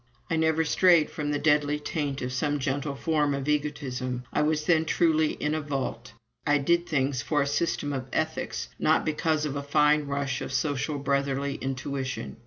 I never strayed from the deadly taint of some gentle form of egotism. I was then truly in a "vault." I did things for a system of ethics, not because of a fine rush of social brotherly intuition.